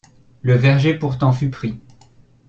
Le verger pourtant fut pris.